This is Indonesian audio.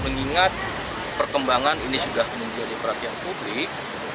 mengingat perkembangan ini sudah menjadi perhatian publik